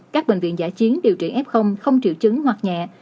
các bệnh viện giả chiến điều trị f không triệu chứng hoặc nhẹ